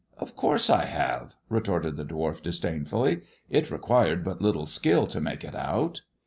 "Of course I have," retorted the dwarf disdainfully; "it required but little skill to make it out."